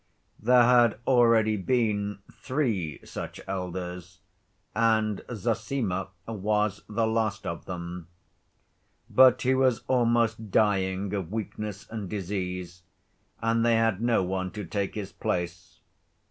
There had already been three such elders and Zossima was the last of them. But he was almost dying of weakness and disease, and they had no one to take his place.